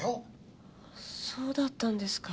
そうだったんですか。